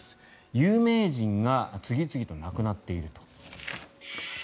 有名人が次々と亡くなっていると。